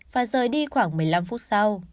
và rời đi khoảng một mươi năm phút sau